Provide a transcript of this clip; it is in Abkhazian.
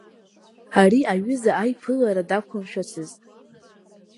Ари аҩыза аиԥылара дақәмшәацызт.